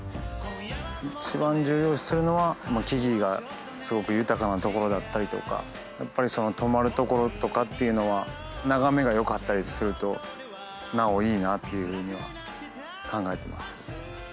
一番重要視するのは木々がすごく豊かな所だったりとかやっぱり泊まる所とかっていうのは眺めが良かったりするとなおいいなっていうふうには考えてます。